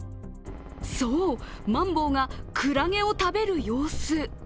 そう、マンボウがクラゲを食べる様子。